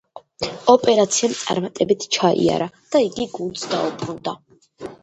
ოპერაციამ წარმატებით ჩაიარა და იგი გუნდს დაუბრუნდა.